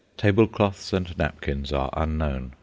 Table cloths and napkins are unknown.